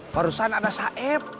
barusan ada saif